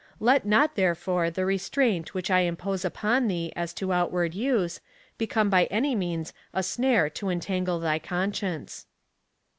Let not, therefore, the restraint which I impose upon thee as to outward use, become by any means a snare to entangle thy conscience."